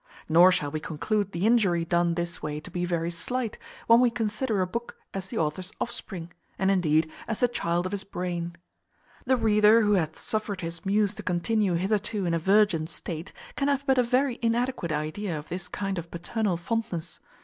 Nor shall we conclude the injury done this way to be very slight, when we consider a book as the author's offspring, and indeed as the child of his brain. The reader who hath suffered his muse to continue hitherto in a virgin state can have but a very inadequate idea of this kind of paternal fondness.